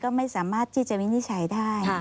ก็ไม่สามารถที่จะวินิจฉัยได้